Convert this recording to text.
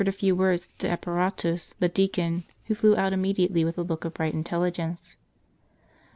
a few words to Eeparatus the deacon, who flew out immedi ately with a look of bright intelligence.